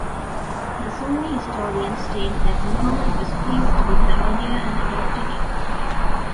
The Sunni historians state that Muhammad was pleased with the idea and adopted it.